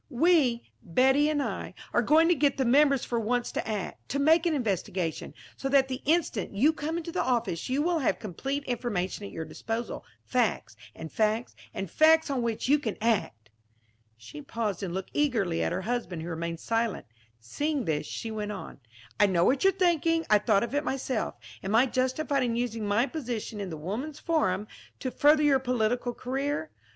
"We Betty and I are going to get the members for once to act to make an investigation; so that the instant you come into the office you will have complete information at your disposal facts, and facts and facts on which you can act." She paused and looked eagerly at her husband, who remained silent. Seeing this she went on: "I know what you're thinking. I thought of it myself. Am I justified in using my position in the Woman's Forum to further your political career?